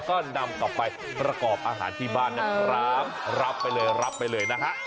ก็นำกลับไประกอบอาหารที่บ้านรับไปเลยนะฮะ